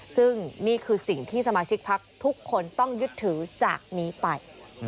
ซึ่งนี่คือสิ่งที่สมาชิกพักทุกคนต้องยึดถือจากนี้ไป